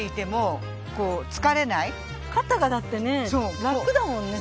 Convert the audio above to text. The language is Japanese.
肩がだってねラクだもんね！